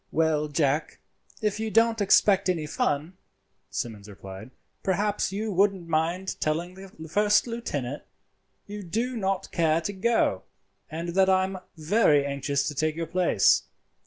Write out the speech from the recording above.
"Well, Jack, if you don't expect any fun," Simmons replied, "perhaps you wouldn't mind telling the first lieutenant you do not care to go, and that I am very anxious to take your place.